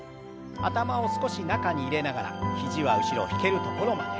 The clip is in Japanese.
頭を少し中に入れながら肘は後ろ引けるところまで。